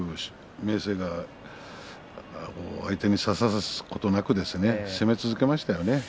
明生が相手に差させることなく攻め続けましたね。